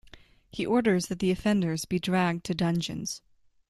He orders that the offenders be dragged to dungeons.